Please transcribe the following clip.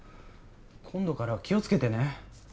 今度からは気をつけてね。